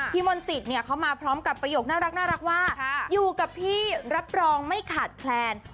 พี่มนต์สิทธิ์เนี้ยเขามาพร้อมกับประโยคน่ารักน่ารักว่าค่ะอยู่กับพี่รับรองไม่ขาดแคลน